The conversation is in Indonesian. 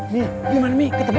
mi gimana mi kedengar